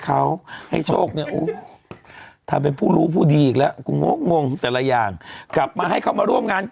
เขาให้โฆกทำเป็นผู้รู้ผู้ดีแล้วงงต่ำวันหลายอย่างกลับมาให้เขามาร่วม